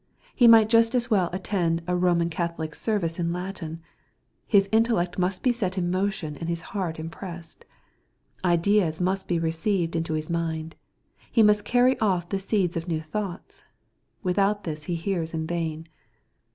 He might just as well attend a Bomau Catholic service in Latin. His intellect must be set ip motion, and his heart impressed. Ideas must be received into his mind. He must carry off the seeds of new thoughts. Without this he hears in vain.